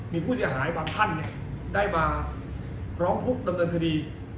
มีผู้เสียหายบางท่านได้มาร้องทุกข์ดำเนินคดี